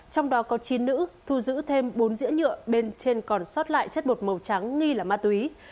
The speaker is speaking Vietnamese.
trong đó có chín nữ thu giữ thêm bốn dĩa nhựa bên trên còn sót lại chất bột màu trắng nghi là ma túy